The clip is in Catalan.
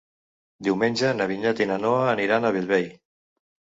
Diumenge na Vinyet i na Noa aniran a Bellvei.